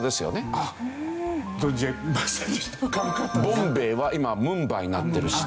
ボンベイは今はムンバイになっているし。